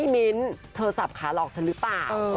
มิ้นเธอสับขาหลอกฉันหรือเปล่า